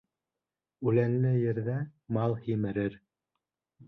Үләнле ерҙә мал һимерер